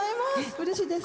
うれしいです。